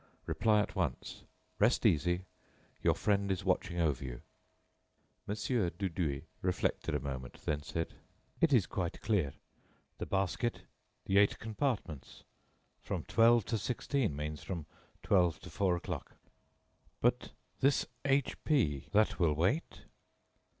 Reply at once. Rest easy; your friend is watching over you." Mon. Dudouis reflected a moment, then said: "It is quite clear.... the basket.... the eight compartments.... From twelve to sixteen means from twelve to four o'clock." "But this H P, that will wait?"